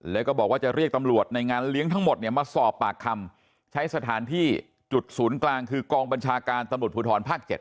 แล้วก็บอกว่าจะเรียกตำรวจในงานเลี้ยงทั้งหมดเนี่ยมาสอบปากคำใช้สถานที่จุดศูนย์กลางคือกองบัญชาการตำรวจภูทรภาค๗